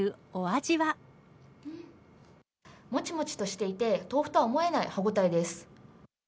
もちもちとしていて、豆腐とは思えない歯応えです。